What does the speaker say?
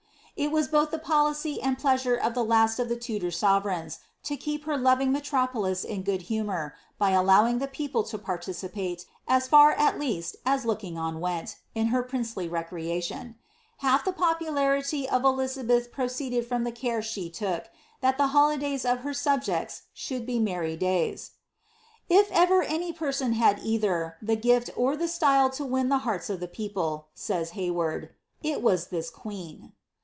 It was both the policy and pleasure of the last of the Tudor sovereigns, to keep her loving metropolis in good humour, by allowing the people to participate, as far at least as looking on went, in her princely recrea tions. Half the popularity of Elizabeth proceeded from the care she look, that the holidays of her subjects should he merry days. ^^ If ever any person had either, the gift or the style to win the hearts of people," lays Ilay ward, ^* it was this queen."